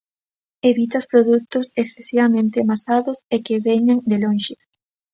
Evita os produtos excesivamente envasados e que veñan de lonxe.